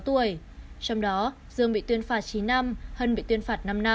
trong đó dương bị tuyên phạt chín năm hân bị tuyên phạt năm năm